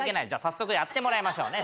早速やってもらいましょうね。